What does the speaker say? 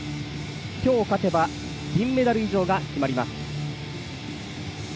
今日、勝てば、銀メダル以上が決まります。